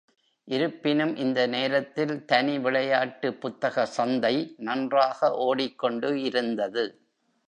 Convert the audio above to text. இருப்பினும், இந்த நேரத்தில் தனி விளையாட்டு புத்தக சந்தை நன்றாக ஓடிக்கொண்டு இருந்தது.